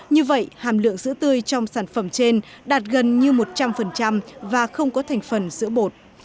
như vậy hàm lượng sữa tươi trong sản phẩm trên đạt gần như một trăm linh và không có thành phần sữa bột